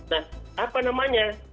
nah apa namanya